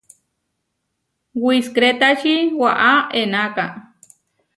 Wiskrétači waʼá eʼenáka.